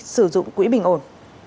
sử dụng quỹ bình ổn